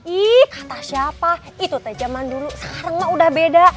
ih entah siapa itu teh zaman dulu sekarang udah beda